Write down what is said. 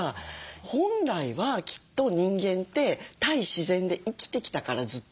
本来はきっと人間って対自然で生きてきたからずっと。